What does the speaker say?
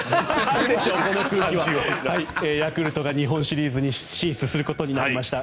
ヤクルトが日本シリーズに進出することになりました。